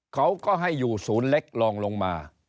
เขาก็ให้อยู่ศูนย์เล็กลองลงมา